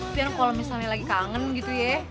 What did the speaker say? fian kalau misalnya lagi kangen gitu ya